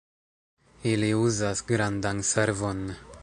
ili uzas grandan servon